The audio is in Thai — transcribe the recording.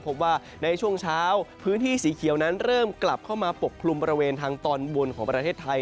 พบว่าในช่วงเช้าพื้นที่สีเขียวนั้นเริ่มกลับเข้ามาปกคลุมบริเวณทางตอนบนของประเทศไทย